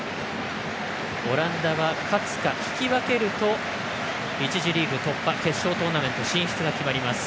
オランダは勝つか引き分けると１次リーグ突破決勝トーナメント進出が決まります。